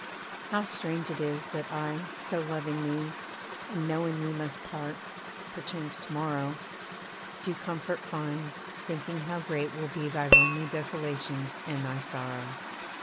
How strange it is, that I, so loving thee, And knowing we must part, perchance to morrow, Do comfort find, thinking how great will be Thy lonely desolation, and thy sorrow.